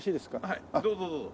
はいどうぞどうぞ。